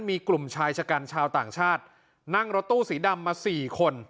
มีกลุ่มชายชะกันชาวต่างชาตินั่งรถตู้สีดำมาสี่คน